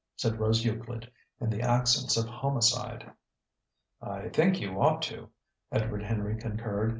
said Rose Euclid, in the accents of homicide. "I think you ought to," Edward Henry concurred.